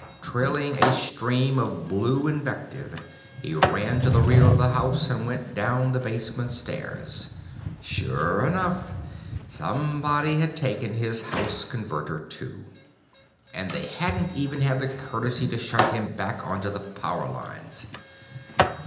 Trailing a stream of blue invective, he ran to the rear of the house and went down the basement stairs. Sure enough. Somebody had taken his house Converter, too. And they hadn't even had the courtesy to shunt him back onto the power lines.